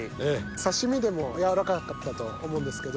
刺身でも柔らかかったと思うんですけど。